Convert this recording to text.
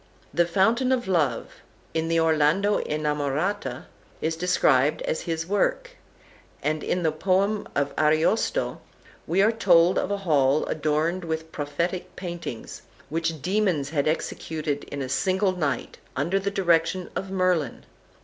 The Fountain of Love, in the "Orlando Innamorata," is described as his work; and in the poem of "Ariosto" we are told of a hall adorned with prophetic paintings, which demons had executed in a single night, under the direction of Merlin.